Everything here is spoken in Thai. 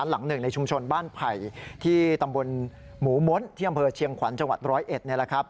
หลังหนึ่งในชุมชนบ้านไผ่ที่ตำบลหมูม้นที่อำเภอเชียงขวัญจังหวัด๑๐๑นี่แหละครับ